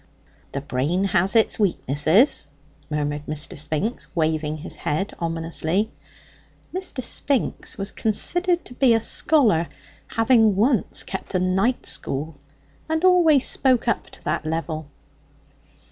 "The brain has its weaknesses," murmured Mr. Spinks, waving his head ominously. Mr. Spinks was considered to be a scholar, having once kept a night school, and always spoke up to that level.